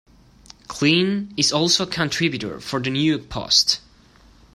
Klein is also a contributor for The New York Post.